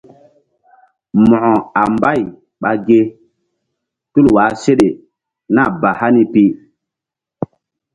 Mo̧ko a mbay ɓa ge tul wah seɗe nah ba hani pi.